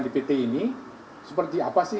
di pt ini seperti apa sih